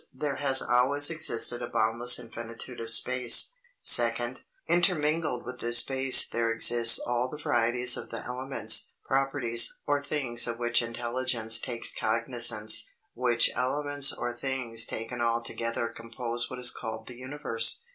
There has always existed a boundless infinitude of space. Second. Intermingled with this space there exists all the varieties of the elements, properties, or things of which intelligence takes cognizance; which elements or things taken altogether compose what is called the Universe.